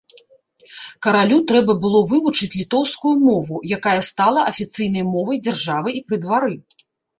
Каралю трэба было вывучыць літоўскую мову, якая стала афіцыйнай мовай дзяржавы і пры двары.